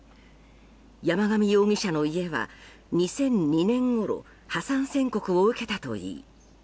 山上容疑者の家は２００２年ごろ破産宣告を受けたといい